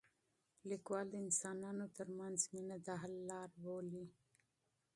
لیکوال د انسانانو ترمنځ مینه د حل لاره بولي.